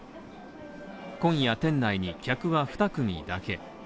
今夜店内に客は２組だけ。